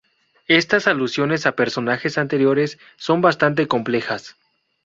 Estas alusiones a personajes anteriores son bastante complejas.